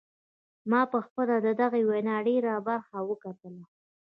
ما پخپله د دغې وینا ډیره برخه وکتله.